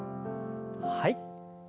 はい。